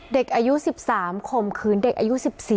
เด็กอายุ๑๓ข่มขืนเด็กอายุ๑๔